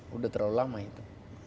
sudah terlalu lama itu